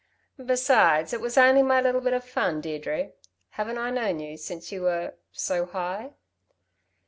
Besides it was only my little bit of fun, Deirdre. Haven't I known you since you were so high."